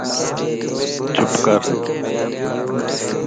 چپ ڪَر